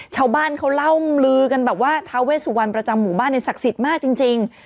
ชาวบ้านเขาล่ำลือกันแบบว่าทาเวสุวรรณประจำหมู่บ้านเนี่ยศักดิ์สิทธิ์มากจริง